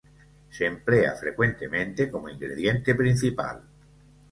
Se emplea frecuentemente como ingrediente principal.